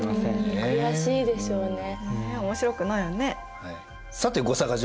ねえ面白くないよね。